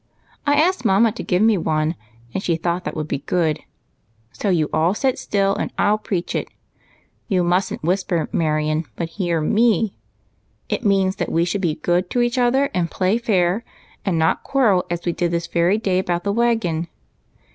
I asked mamma to give me one, and she thought that would be good ; so you all sit still and I '11 preach it. You must n't whisper, Marion, but hear me. It means that we should be good to each other, and i^lay fair, and not quarrel as we did this very day about the wagon.